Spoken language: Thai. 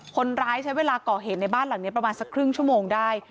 คนร้ายใช้เวลาก่อเหตุในบ้านหลังนี้ประมาณสักครึ่งชั่วโมงได้